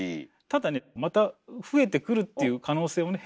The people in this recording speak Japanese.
ただねまた増えてくるっていう可能性もね。